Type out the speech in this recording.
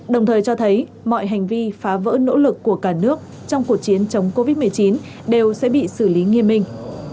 đồng thời cho thấy mọi hành vi phá vỡ nỗ lực của cả nước trong cuộc chiến chống covid một mươi chín đều sẽ bị xử lý nghiêm minh